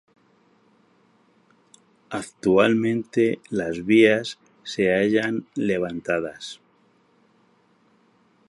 Actualmente las vías se hallan levantadas.